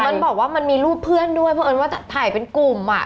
มันบอกว่ามันมีรูปเพื่อนด้วยเพราะเอิญว่าถ่ายเป็นกลุ่มอ่ะ